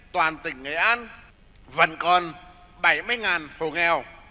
toàn tỉnh nghệ an vẫn còn bảy mươi hồ nghèo